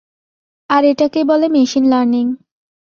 আর এটাকেই বলে machine learning.